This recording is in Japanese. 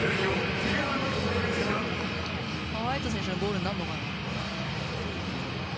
ホワイト選手のゴールになるのかな。